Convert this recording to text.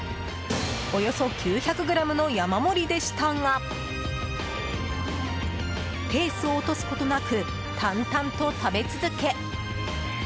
およそ９００ｇの山盛りでしたがペースを落とすことなく淡々と食べ続け。